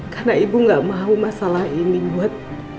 karena ibu gak mau masalah ini buat